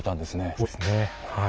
そうですねはい。